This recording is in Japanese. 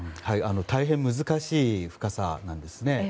大変、難しい深さなんですね。